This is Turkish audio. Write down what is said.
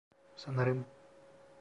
Sanırım...